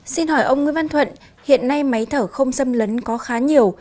xin hỏi ông nguyễn văn thuận hiện nay máy thở không xâm lấn có khá nhiều